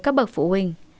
các bậc phụ huynh